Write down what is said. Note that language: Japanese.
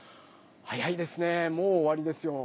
早いですねもうおわりですよ。